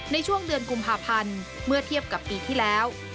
ในช่วงเดือนกุมภาพันธ์เมื่อเทียบกับปีที่แล้ว